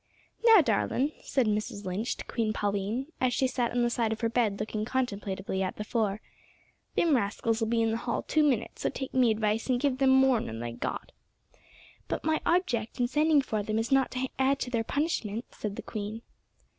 "Now, darlin'," said Mrs Lynch to Queen Pauline, as she sat on the side of her bed looking contemplatively at the floor, "thim rascals'll be in the Hall in two minits, so take me advice and give them more nor they've got." "But my object in sending for them is not to add to their punishment," said the queen.